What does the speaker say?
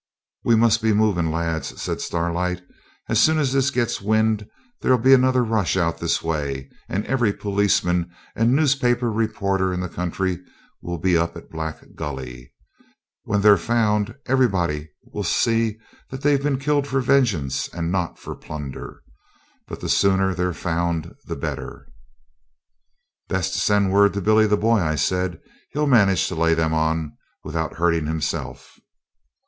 'We must be moving, lads,' said Starlight. 'As soon as this gets wind there'll be another rush out this way, and every policeman and newspaper reporter in the country will be up at Black Gully. When they're found everybody will see that they've been killed for vengeance and not for plunder. But the sooner they're found the better.' 'Best send word to Billy the Boy,' I said; 'he'll manage to lay them on without hurting himself.'